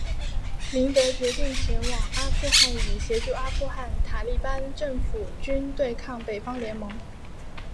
林德决定前往阿富汗以协助阿富汗塔利班政府军对抗北方联盟。